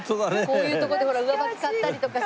こういうとこでほら上履き買ったりとかさ。